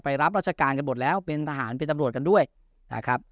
รับราชการกันหมดแล้วเป็นทหารเป็นตำรวจกันด้วยนะครับ